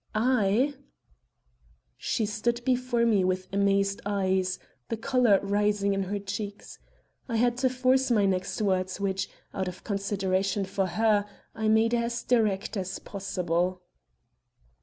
"I?" She stood before me with amazed eyes, the color rising in her cheeks. I had to force my next words, which, out of consideration for her, I made as direct as possible.